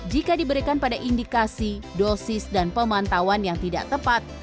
jika diberikan pada indikasi dosis dan pemantauan yang tidak tepat